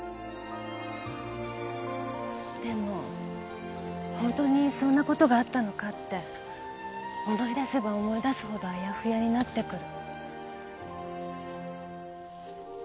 でも本当にそんなことがあったのかって思い出せば思い出すほどあやふやになってくる。